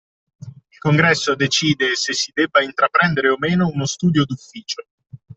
Il Congresso decide se si debba intraprendere o meno uno studio d'Ufficio.